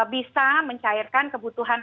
bisa mencairkan kebutuhan